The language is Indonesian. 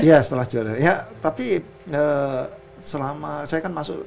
iya setelah juara ya tapi selama saya kan masuk